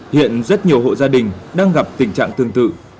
hiện rất nhiều hộ gia đình đang gặp tình trạng tương tự